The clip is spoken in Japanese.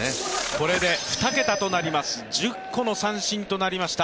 これで２桁となります１０個の三振となりました。